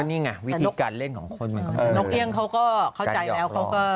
นี่ไงวิธีการเล่นของคนมันก็นกเอี่ยงเขาก็เข้าใจแล้วเขาก็